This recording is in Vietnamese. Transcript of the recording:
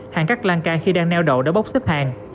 hàng cắt lan ca khi đang neo đậu đã bóc xếp hàng